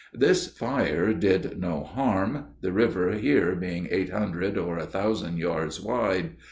This fire did no harm, the river here being eight hundred or a thousand yards wide.